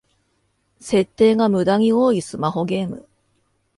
設定がムダに多いスマホゲーム